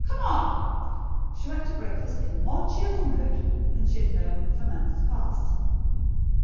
Come on!" she went to breakfast in a more cheerful mood than she had known for months past.